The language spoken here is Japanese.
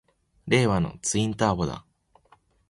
令和のツインターボだ！